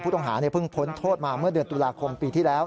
ต้องหาเพิ่งพ้นโทษมาเมื่อเดือนตุลาคมปีที่แล้ว